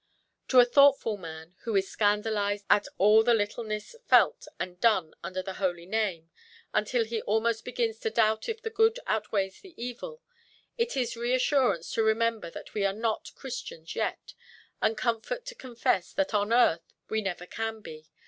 To a thoughtful man, who is scandalized at all the littleness felt and done under the holy name, until he almost begins to doubt if the good outweigh the evil, it is reassurance to remember that we are not Christians yet, and comfort to confess that on earth we never can be.